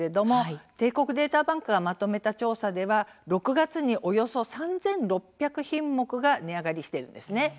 帝国データバンクがまとめた調査では６月におよそ３６００品目が値上がりしているんです。